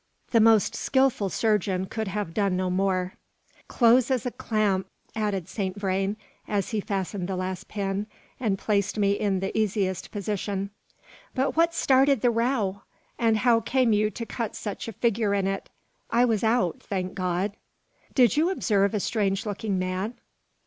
The most skilful surgeon could have done no more. "Close as a clamp," added Saint Vrain, as he fastened the last pin, and placed me in the easiest position. "But what started the row? and how came you to cut such a figure in it? I was out, thank God!" "Did you observe a strange looking man?"